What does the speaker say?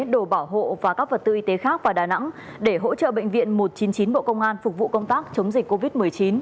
đồ bảo hộ và các vật tư y tế khác vào đà nẵng để hỗ trợ bệnh viện một trăm chín mươi chín bộ công an phục vụ công tác chống dịch covid một mươi chín